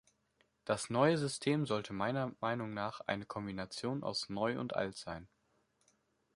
Das neue System sollte meiner Meinung nach eine Kombination aus Neu und Alt sein.